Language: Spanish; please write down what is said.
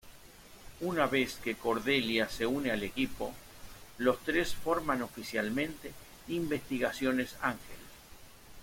Una vez que Cordelia se une al equipo, los tres forman oficialmente Investigaciones Ángel.